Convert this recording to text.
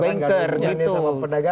enggar ini sama perdagangan